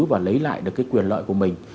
và lấy lại được cái quyền lợi của mình